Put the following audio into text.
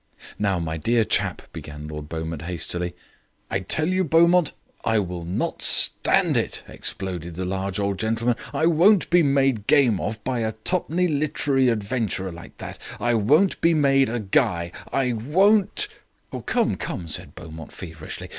"Now, my dear chap," began Lord Beaumont hastily. "I tell you, Beaumont, I won't stand it," exploded the large old gentleman. "I won't be made game of by a twopenny literary adventurer like that. I won't be made a guy. I won't " "Come, come," said Beaumont feverishly.